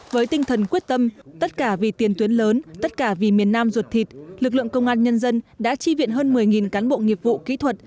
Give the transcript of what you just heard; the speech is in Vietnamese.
với tinh thần quyết tâm tất cả vì tiền tuyến lớn tất cả vì miền nam ruột thịt lực lượng công an nhân dân đã chi viện hơn một mươi cán bộ nghiệp vụ kỹ thuật